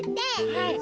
はい。